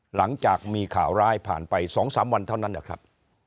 หลังจากมีข่าวร้ายผ่านไป๒๓วันเท่านั้นนะครับ